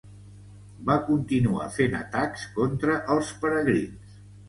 Va continuar fent atacs contra els peregrins.